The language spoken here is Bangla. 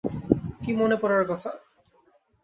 কী মনে পড়ার কথা?